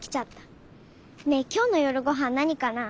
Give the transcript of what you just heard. ねえきょうの夜ごはん何かな？